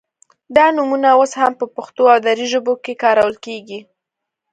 دا نومونه اوس هم په پښتو او دري ژبو کې کارول کیږي